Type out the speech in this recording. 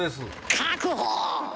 確保！